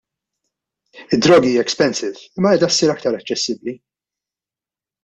Id-droga hija expensive, imma qiegħda ssir aktar aċċessibbli.